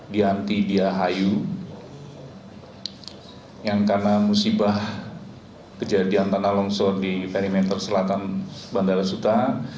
dianti diahayu yang karena musibah kejadian tanah longsor di perimeter selatan bandara suta